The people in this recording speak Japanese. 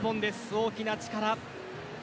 大きな力。